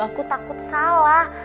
aku takut salah